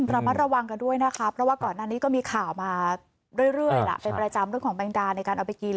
ระมัดระวังกันด้วยนะคะเพราะว่าก่อนหน้านี้ก็มีข่าวมาเรื่อยล่ะเป็นประจำเรื่องของแมงดาในการเอาไปกิน